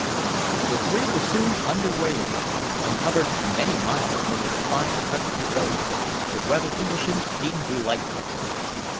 The three were soon under way again, and covered many miles over the fine country roads, the weather conditions being delightful.